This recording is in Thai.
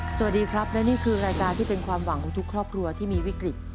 สวัสดีครับและนี่คือรายการที่เป็นความหวังของทุกครอบครัวที่มีวิกฤต